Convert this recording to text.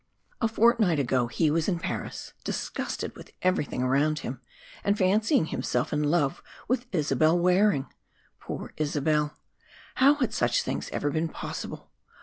A fortnight ago he was in Paris, disgusted with everything around him, and fancying himself in love with Isabella Waring. Poor Isabella! How had such things ever been possible?